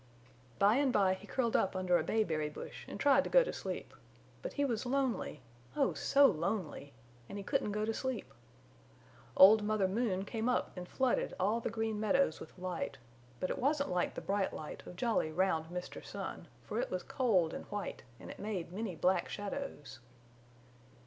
By and by he curled up under a bayberry bush and tried to go to sleep, but he was lonely, oh, so lonely! And he couldn't go to sleep. Old Mother Moon came up and flooded all the Green Meadows with light, but it wasn't like the bright light of jolly round Mr. Sun, for it was cold and white and it made many black shadows.